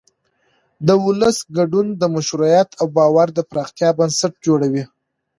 د ولس ګډون د مشروعیت او باور د پراختیا بنسټ جوړوي